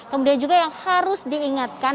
kemudian juga yang harus diingatkan